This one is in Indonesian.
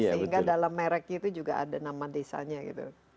sehingga dalam mereknya itu juga ada nama desanya gitu